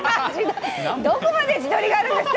どこまで自撮りがあるんですか！